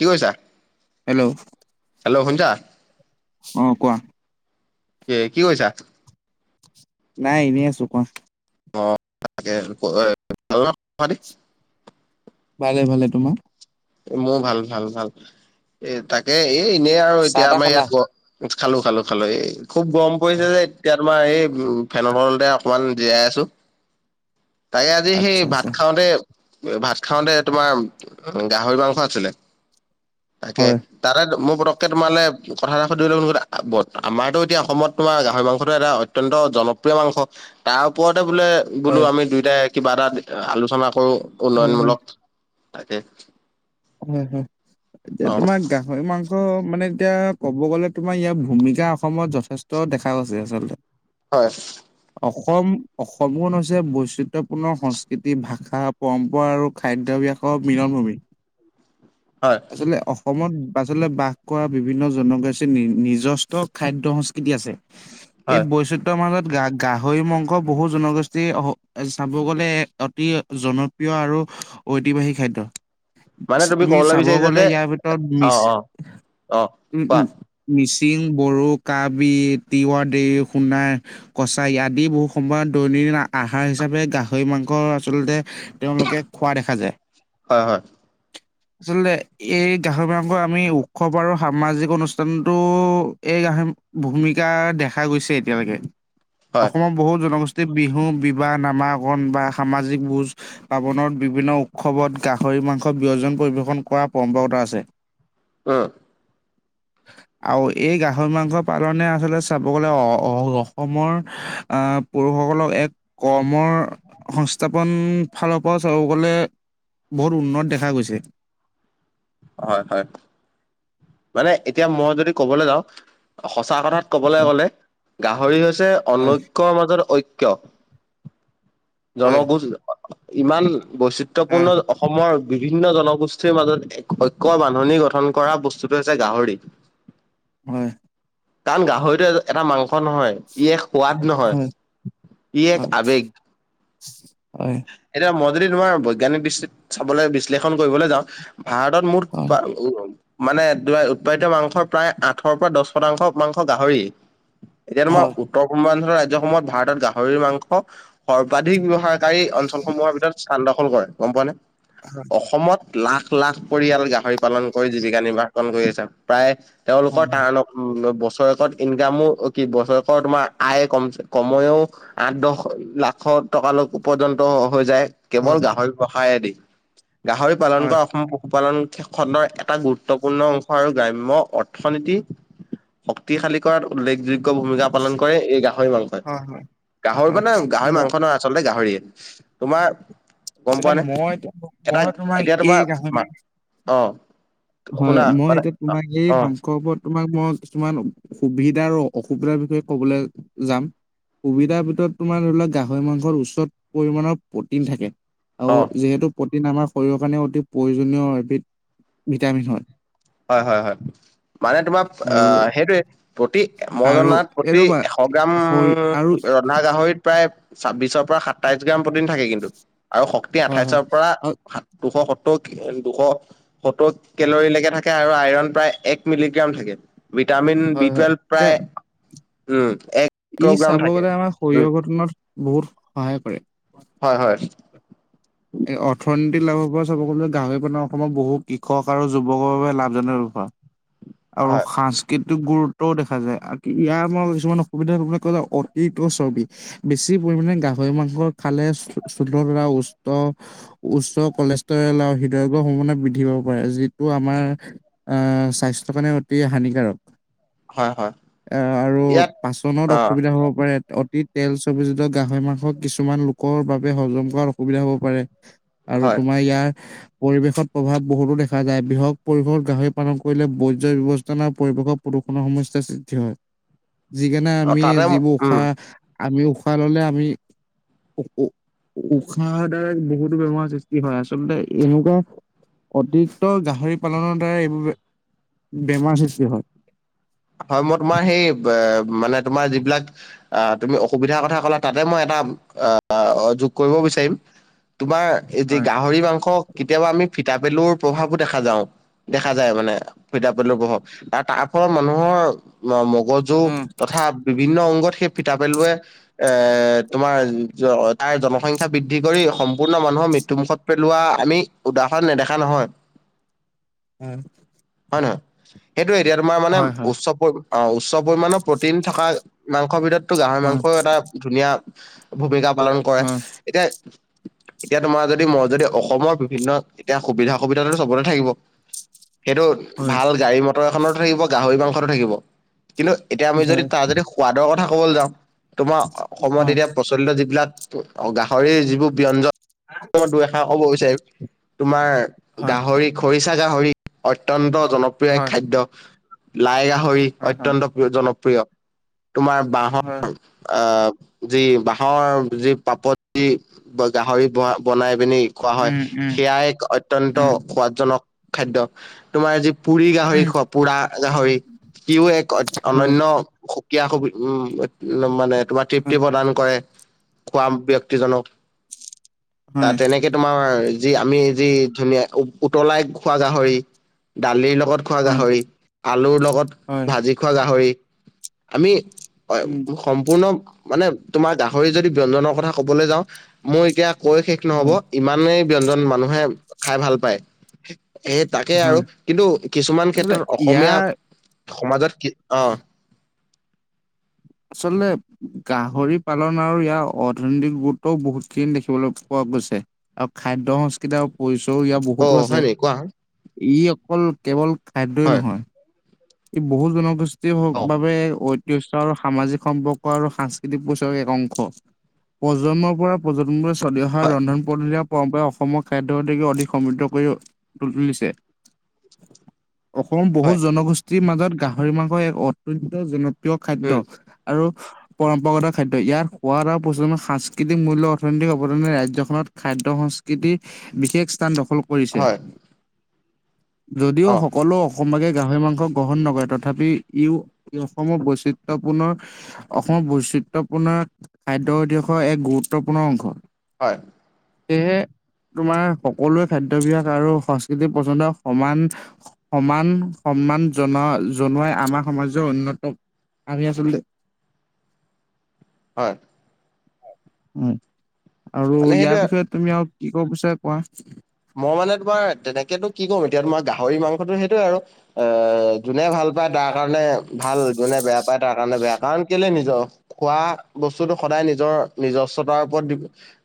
কি কৰিছা? Hello hello শুনিছা? অঁ' কোৱা। এ কি কৰিছা? নাই এনেই আছো কোৱা। অঁ ভালে আছো হয় ভালনে খবৰ খাতি? ভালে ভালে, তোমাৰ? এ মোৰ ভাল ভাল ভাল, এ তাকে এ এনেই আৰু চাহ এতিয়া তাহ আমাৰ খালা ইয়াত ৱ- খালো খালো খালো এই খুব গৰম পৰিছে দেই। এতিয়া তোমাৰ এই উম ফেনৰ তলতে অকমান জীয়াই আছো। তাকে আজি সেই আচ্ছা ভাত আচ্ছা খাওঁতে ভাত খাওঁতে তোমাৰ- গাহৰি মাংস আছিলে। তাকে, হয় - তাতে মোৰ পতককে তোমালে কথা এটা সুধিবলে মন গ'ল আমাৰতো এতিয়া অসমত তোমাৰ গাহৰি মাংসটো এটা অত- তন্ত জনপ্ৰিয় মাংস। তাৰ ওপৰতে বোলে- বোলো হয় আমি দুইটাই কিবা এটা আলোচনা কৰো হয় হয় উন্নয়নমূলক। তাকে, - হুম হুম, এতিয়া তোমাৰ গা- গাহৰি মাংস মানে এতিয়া ক'ব গ'লে তোমাৰ ইয়াৰ ভূমিকা অসমত যথেষ্ট দেখা গৈছে আচলতে। হয়। অসম অসমখন হৈছে বৈচিত্ৰয়পূৰ্ণ সংস্কৃতি ভাষা, - পৰম্পৰা আৰু খাদ্যভ্যাসৰ মিলন ভূমি। হয়। আচলতে অসমত আচলতে বাস কৰা বিভিন্ন জনগোষ্ঠীৰ নি নিজস্ব খাদ্য সংস্কৃতি আছে। এই হয় বৈচিত- ত মাজত গা গাহৰি মংস বহু জনগোষ্ঠীৰ চাব গ'লে অতি জন- প্ৰিয় আৰু ঐতিবাহিক খাদ্য। মানে তুমি ক'বলৈ চাব বিচাৰিছা গলে যে ইয়াৰ ভিতৰত অ মিছ অ অ উম কোৱা উম'। মিচিং, বড়ো, কাৰ্বি, তিৱা, দে, সোণায়- কছাৰী আদি বহু সময়ত দৈনন্দিন আহাৰ হিচাপে গাহৰি মাংস আচলতে- তেওঁলোকে খোৱা দেখা যায়। হয় হয়। আচলতে এই গাহৰি মাংস আমি উৎসৱ আৰু সামাজিক অনুষ্ঠানতো- এই আহ ভূমিকা দেখা গৈছে এতিয়ালৈকে হয় অসমৰ বহুত জনগোষ্ঠী- বিহু বিবাহ নামাকণ বা সামাজিক বুজ পাবনত বিভিন্ন উৎসৱত গা খৰি মাংস ব্যয়জন পৰিৱেশন কৰা পৰম্পৰাগত আছে। উমঁ! আৰু এই গাহৰি মাংস পালনে আচলতে চাব গ'লে অ অ অসমৰ আ পুৰুষসকলক এক কৰ্মৰ সংস্থাপন ফালৰ পৰা চাব গ'লে- বহুত উন্নত দেখা গৈছে। হয়ঁ হয়ঁ মানে এতিয়া মই যদি ক'বলৈ যাওঁ সঁচা কথাত- ক'বলৈ হয়, গ'লে গাহৰি হৈছে হয়, অনৈক্য়ৰ মাজত ঐক্য়। হয়, জনগোষ্ঠ ইমান হয়, বৈচিত্ৰয়পূৰ্ণ, অসমৰ বিভিন্ন জনগোষ্ঠীৰ মাজত এক ঐক্য বান্ধনি গঠন কৰা বস্তুটো হৈছে গাহৰি। হয়ঁ। কাৰণ গাহৰিটো এটা মাংস নহয়। ই এক সোৱাদ নহয় হয়, ই এক হয়, হয়, আৱেগ। হয়, হয়। এতিয়া মই যদি তোমাৰ বৈজ্ঞানিক দৃস্তিত চাবলৈ বিশ্লেষণ কৰিবলৈ যাওঁ- ভাৰতত মুঠ হয়, উ মানে উৎপাদিত মাংস প্ৰায় আঠৰ পৰা দশ শতাংশ মাংস গাহৰি এতিয়া তোমাৰ উত- উত্তৰ পূৰ্বাঞ্চলৰ ৰাজ্যসমূহত ভাৰতত গাহৰিৰ মাংস সৰ্বাধিক ব্যৱহাৰকাৰী অঞ্চলসমূহৰ ভিতৰত- স্থান দখল কৰে গম পোৱা নে? হয়। অসমত লাখ লাখ পৰিয়াল গাহৰি পালন কৰি জীৱিকা নিৰ্বাসন কৰি আছে প্ৰায়- তেওঁলোকৰ তা হয়, বছৰেকত ইনকামো কি বছৰেকত তোমাৰ- আয়ে কম কময়ও আঠ দশ লাখ টকালৈ পৰ্যন্ত হৈ যায়। কেৱল গাহৰি প্ৰসায়েদি গাহৰি পালন হয়, কৰা অসম- উপাদন খণ্ডৰ এটা গুৰুত্বপূৰ্ণ অংশ আৰু গ্ৰাম্য অৰ্থনীতি- শক্তিশালী কৰাত উল্লেখযোগ্য ভূমিকা পালন কৰে এই গাহৰি মাংস। হয়, গাহৰি হয়, গাহৰি ম মাংস নহয় আচলতে গাহৰিয়ে তোমাৰ গম আচলতে পোৱা নে মই এটা মই তোমাক এতিয়া এই তোমাৰ অঁ। হয়ঁ মই এতিয়া তোমাক এই মাংসকৰ ওপৰত তোমাক মই কিছুমান সুবিধা আৰু অসুবিধাৰ বিষয়ে কবলৈ যাম। সুবিধাৰ ভিতৰত তোমাৰ ধৰি লওক গাহৰি মাংসৰ উচ্চ পৰিমাণৰ প্ৰটিন থাকে। আৰু অঁ! যিহেতু প্ৰটিন আমাৰ শৰীৰৰ কাৰণে অতি প্ৰয়জনীয় এবিধ- ভিটামিন হয়ঁ। হয়ঁ হয়ঁ হয়ঁ মানে তোমাৰ আৰু আহ সেইটোৱে- প্ৰতি মই আৰু জনাত এই প্ৰতি ৰ'বা এশ গ্ৰাম শৰীৰ আৰু ৰন্ধা গাহৰিত। প্ৰায় ছাব্বিশৰ পৰা সাতাইশ গ্ৰাম প্ৰটিন থাকে কিন্তু আৰু শক্তি হয় হয় আঠাইছৰ পৰা আৰু সাত। দুশ সত্তৰ দুশ সত্তৰ কেলৰী লকে থাকে। আৰু আইৰণ প্ৰায় এক মিলিগ্ৰাম থাকে ভিটামিন বি হয় হয় টুৱেলভ এতিয়া প্ৰায় উমঁ এক। ই চাব গ'লে আমাৰ শৰীৰৰ গঠনত বহুত সহায় কৰে। হয়ঁ হয়ঁ। এই অৰ্থনীতিৰ লাভৰ পৰা চব ক'ম যে গাহৰি পান অসমত বহু কৃষক আৰু যুৱকৰ বাবে লাভজনক বেপাৰ। আৰু হয় সাজ। কিন্তু গুৰুত্বও দেখা যায় আদি ইয়াৰ মাজত কিছুমান অসুবিধালৈ কবলৈ গলে অতীত ছৰ্বি। বেছি পৰিমাণে গাহৰি মাংস খালে [unintelligible] উস্ত উচ্চ কলেষ্টৰল আৰু হৃদয়োগৰ সমভাৱনা বৃদ্ধি পাব পাৰে যিটো আমাৰ আহ স্বাস্থ্যৰ কাৰণে অতি হানিকাৰক। হয় হয় এ আৰু ইয়াত পাচনত অ অসুবিধা হ'ব পাৰে অতিত তেল চৰ্বিযুক্ত গাহৰি মাংস কিছুমান লোকৰ বাবে হজম কৰাত অসুবিধা হব পাৰে। আৰু হয় তোমাৰ ইয়াৰ পৰিৱেশত প্ৰভাৱ বহুতো দেখা যায় বৃহৎ পৰিৱেশত গাহৰি পালন কৰিলে বই জ ব্যৱস্থান আৰু পৰিৱেশৰ প্ৰদূষণৰ সমস্যাৰ সৃষ্টি হয়। যিকণে অ আমি তাতে যিবোৰ উম উশাহ আমি উশাহ ললে আমি উ উশাহৰ দ্বাৰা বহুতো বেমাৰৰ সৃষ্টি হয়। আচলতে এনেকুৱা অতিৰিক্ত গাহৰি পালনৰ দ্বাৰা এইবোৰে বেমাৰ সৃষ্টি হয়। হয়। মই তোমাৰ সেই বে মানে তোমাৰ যিবিলাক আহ তুমি অসুবিধাৰ কথা কলা তাতে মই এটা আহ আ অ যোগ কৰিব বিচাৰিম। তোমাৰ এই যি হয় গাহৰি মাংস কেতিয়াবা আমি ফিতাপেলুৰ প্ৰভাৱো দেখা যাওঁ। দেখা যায় মানে ফিতাপেলু প্ৰভাৱ আ তাৰ ফলত মানুহৰ ম মগজু উম তথা বিভিন্ন অংগত সেই ফিতাপেলুৱে এ তোমাৰ জ তাৰ জনসংখ্যাৰ বৃদ্ধি কৰি সম্পূৰ্ণ মানুহৰ মৃত্যুমুখত পেলোৱা আমি উদাহৰণ নেদেখা নহয়। এম্ হয় নহয় সেইটো এতিয়া তোমাৰ মানে হয় উচ্চ পৰি অ উচ্চ পৰিমণৰ প্ৰটিন থকা মাংসৰ ভিতৰতো গাহৰি হয় মাংসও এটা ধুনা [unintelligible] অভূমিকা পালন কৰে হয় এতিয়া এতিয়া তোমাৰ যদি মই যদি অসমৰ বিভিন্ন এতিয়া সুবিধা সুবিধাতো সবতে থাকিব। সেইটো হয় ভাল গাড়ী মটৰ এখনতো থাকিব গাহৰি মাংসতো থাকিব কিন্তু এতিয়া আমি হয় যদি তাৰ যদি সুৱাদৰ কথা ক'বলৈ যাওঁ তোমাৰ হয় সময়ত হয় এতিয়া প্ৰ চলিত যিবিলাক গাহৰি যিবোৰ ব্যয দুই এষৰ ক'ব বিচাৰিম তোমাৰ গাহৰিক খৰিচা গাহৰিত অত্য়ন্ত জনপ্ৰিয় এক হয় খাদ্য। লাই গাহৰি হয় হয় অত্যন্ত প্ৰয় জনপ্ৰিয় তোমাৰ হয় বাঁহৰ আহ যি বাঁহৰ যি পাপতি ব গাহৰি ব বনাই পিনি খোৱা হয়। উম উম সেয়া এক অত্যন্ত উম সোৱাদজনক খাদ্যয়। তোমাৰ যি পুৰি গাহৰি উম খোৱা পোৰা গাহৰি ইও এক হয় অনন্যা খুকিয় খুকি উম উ মানে তোমাৰ হয় তৃপ্তি প্ৰদান কৰে। খোৱাম ব্যক্তিজনৰ তাত হয় তেনেকে তোমাৰ যি আমি যি ধুনীয়া উতলাই খোৱা গাহৰি দালিৰ লগত খোৱা হয় গাহৰি আলুৰ লগত হয় ভাজি খোৱা গাহৰি আমি হয় উম ঊঃ। সম্পূৰ্ণ মানে তোমাৰ গাহৰি যদি ব্ঞ্জনৰ কথা কবলে যাওঁ মই এতিয়া কৈ সেখ নহব হয় ইমানেই ব্ঞ্জন মানুহে খাই ভাল পায়। এ তাকে আৰু হয় কিন্তু কিছুমান আচলতে ক্ষেত্ৰত অসমীয়া ইয়াৰ সমাজত কি অ [unintelligible] গাহৰি পালন আৰু ইয়াৰ অৰ্থনৈতিক গুৰুত্ব বহুতখিনি দেখিবলৈ পোৱা গৈছে। অ খাদ্য সংস্কৃতি আৰু পৰিচয়ো ইয়াৰ অ বহুতো আছে, হয় নি কোৱা হয় ই অকল কেৱল খাদ্যই হয় নহয় ই বহু জনগোষ্ঠীৰ অ বাবে ঐতিহ আৰু সামাজিক সম্পৰ্ক আৰু সাংস্কৃতিক পৰিচয় এক অংশ। প্ৰজন্মৰ পৰা প্ৰজন্ম চলি অহা হয় ৰন্ধন পদ্ধতি আৰু পৰম্পৰাই অসমৰ খাদ্য অতিকে অধিক সমৃদ্ধ কৰি ত- তুলিছে। অসমৰ বহু হয় জনগোষ্ঠীৰ মাজত গাহৰি মাংস এক অত্যন্ত জনপ্ৰিয় খাদ্য উম আৰু পৰম্পৰাগত খাদ্য। ইয়াত সোৱাদ আৰু প্ৰচলন সাংস্কৃতিক মূল্য অৰ্থনৈতিক অৱদানে ৰাজ্যখনত খাদ্য সংস্কৃতিৰ বিশেষ স্থান দখল কৰিছে। হয় যদিও অ সকলো অসমবাসীয়ে গাহৰি মাংস গ্ৰহণ নকৰে, তথাপি ইও-ই অসমৰ বৈচিত্ৰ ত পুনৰ অসমৰ বৈচিত্ৰপূৰ্ণ খাদ্যতিহাসৰ এক গুৰুত্বপূৰ্ণ অংশ। হয়। সেয়েহে তোমাৰ সকলোৱে খাদ্য বিয়াস আৰু সংস্কৃতিক পচন্দ সমান সমান সন্মান জনোৱা- জনোৱাই আমাৰ সমাজৰ অন্যতম আমি আচলতে হয়। উম, আৰু মানে সেইটোয়ে ইয়াৰ বিষয়ে তুমি আৰু কি ক'ব বিচাৰা কোৱা। মই মানে তোমাৰ তেনেকেনো কি কম এতিয়া তোমাৰ, গাহৰি মাংসটো সেইটোৱে আৰু এ, যোনে ভাল পায় তাৰ কাৰণে ভাল, যোনে বেয়া পায় তাৰ কাৰণে বেয়া, কাৰণ কেলে নিজৰ খোৱা বস্তুটো সদায় নিজৰ নিজস্বতাৰ ওপৰত দি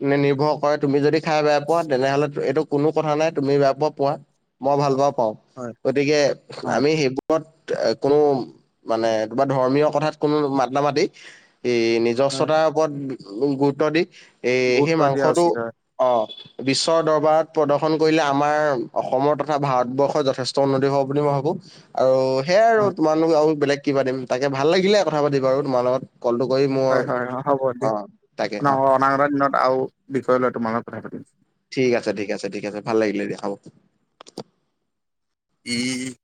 নি-নিৰ্ভৰ কৰে তুমি যদি খাই বেয়া পোৱা, তেনেহ'লে এইটো কোনো কথা নাই, তুমি বেয়া পোৱা, পোৱা মই ভাল পাওঁ, পাওঁ। হয় গতিকে হয় আমি সেইবোৰ কত কোনো মানে ধৰ্মীয় কথাত কোনো মাতা নামাতি এই নিজ [unintelligible] হয় ওপৰত গুৰুত্ব দি, এই সেই গুৰুত্ব দিয়া মাংসটো উচিত হয়। অ' বিশ্বদৰবাৰত প্ৰদৰ্শন কৰিলে আমাৰ অসমৰ তথা ভাৰতবৰ্ষৰ যথেষ্ট উন্নতি হ'ব বুলি মই ভাবোঁ আৰু সেয়াই আৰু তোমাৰ লগত আৰু বেলেগ কি পাতিম। তাকে ভাল লাগিলে কথা পাতি বাৰু তোমাৰ লগত। কলটো কৰি মই হয় হয় হয় হ'ব দিয়া অ', তাকে অ'। [unintelligible] দিনত আৰু বিষয় লৈ তোমাৰ লগত কথা পাতিম। ঠিক আছে, ঠিক আছে, ঠিক আছে। ভাল লাগিলে দিয়া হ'ব। [inaudible]